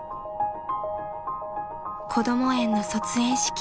［こども園の卒園式］